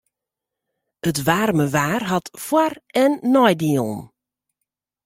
It waarme waar hat foar- en neidielen.